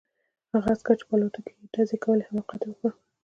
هغه عسکر چې په الوتکو یې ډزې کولې حماقت وکړ